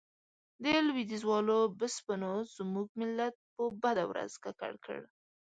د لوېديځوالو بسپنو زموږ ملت په بده ورځ ککړ کړ.